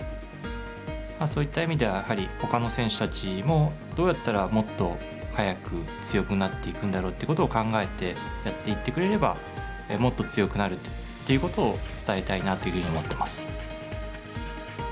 そういった意味ではやはり、ほかの選手たちもどうやったら、もっと早く強くなっていくんだろうっていうことを考えてやっていってくれればもっと強くなるっていうことを伝えたいなっていうふうに思っています。